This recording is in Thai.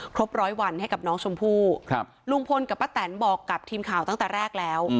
ร้อยวันให้กับน้องชมพู่ลุงพลกับป้าแตนบอกกับทีมข่าวตั้งแต่แรกแล้ว